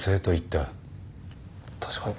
確かに。